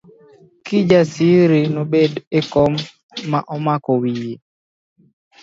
Kijasiri nobet e kom ma omako wiye.